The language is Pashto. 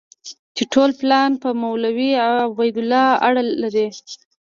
چې ټول پلان په مولوي عبیدالله اړه لري.